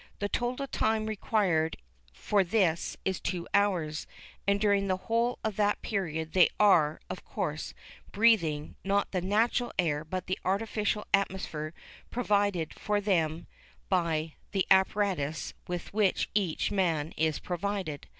The total time required for this is two hours, and during the whole of that period they are, of course, breathing not the natural air, but the artificial atmosphere provided for them by the apparatus with which each man is provided.